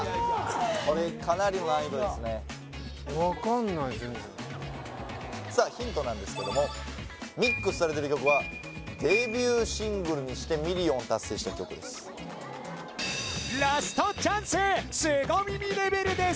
これかなりの難易度ですねさっヒントなんですけどもミックスされてる曲はデビューシングルにしてミリオン達成した曲です